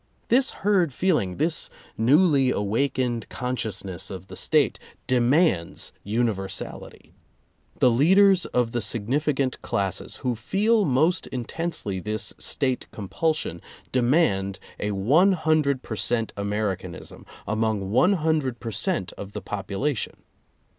This herd feeling, this newly awakened consciousness of the State, de mands universality. The leaders of the signifi cant classes, who feel most intensely this State compulsion, demand a one hundred per cent. Americanism, among one hundred per cent, of the population.